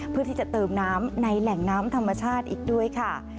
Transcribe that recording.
เพื่อที่จะเติมน้ำในแหล่งน้ำธรรมชาติอีกด้วยค่ะ